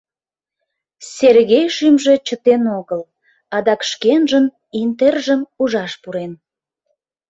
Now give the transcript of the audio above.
Сергей шӱмжӧ чытен огыл, адак шкенжын «Интержым» ужаш пурен.